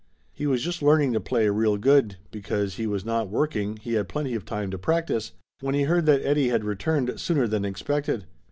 He was just learning to play real good, because as he was not working he had plenty of time to practice, when he heard that Eddie had returned sooner than expected.